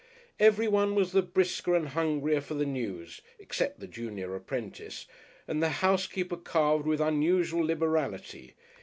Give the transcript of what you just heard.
Everyone was the brisker and hungrier for the news (except the junior apprentice) and the housekeeper carved with unusual liberality.